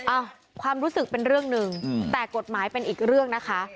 อ่ะความรู้สึกเป็นเรื่องหนึ่งแต่กฎหมายเป็นอีกเรื่องนะคะ